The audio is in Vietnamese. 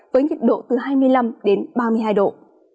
với nhiệt độ từ hai mươi năm đến ba mươi hai độ